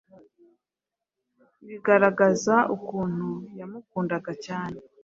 bigaragaza ukuntu yamukundaga cyane,